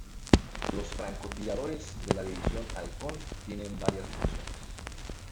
Los francotiradores de la división Halcón tienen varias funciones.